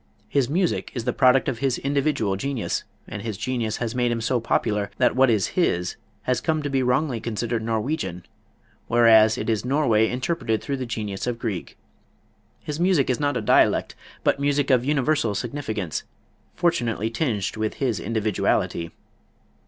His music is the product of his individual genius, and his genius has made him so popular that what is his has come to be wrongly considered Norwegian, whereas it is Norway interpreted through the genius of Grieg. His music is not a dialect, but music of universal significance, fortunately tinged with his individuality.